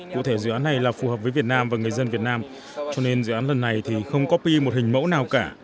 cụ thể dự án này là phù hợp với việt nam và người dân việt nam cho nên dự án lần này thì không copy một hình mẫu nào cả